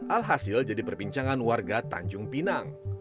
alhasil jadi perbincangan warga tanjung pinang